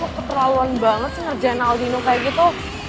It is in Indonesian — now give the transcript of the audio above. lo keterlaluan banget sih ngerjain aldino kayak gitu